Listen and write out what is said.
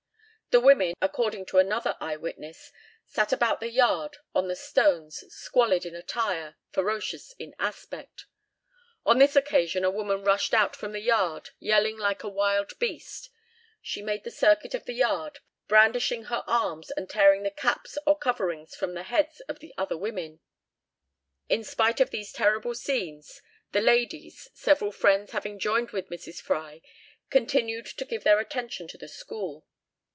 The women, according to another eye witness, sat about the yard on the stones, squalid in attire, ferocious in aspect. On this occasion a woman rushed out from the ward "yelling like a wild beast;" she made the circuit of the yard, brandishing her arms and tearing the caps or coverings from the heads of the other women. In spite of these terrible scenes, the ladies, several Friends having joined with Mrs. Fry, continued to give their attention to the school.